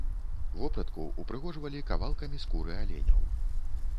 Вопратку упрыгожвалі кавалкамі скуры аленяў.